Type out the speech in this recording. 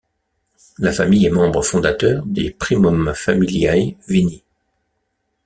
La famille est membre fondateur des Primum Familiæ Vini.